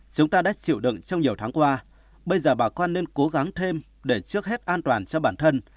chúng ta đã chịu đựng trong nhiều tháng qua bây giờ bà con nên cố gắng thêm để trước hết an toàn cho bản thân